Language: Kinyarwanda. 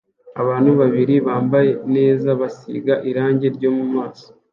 Abantu babiri bambaye neza basiga irangi ryo mumaso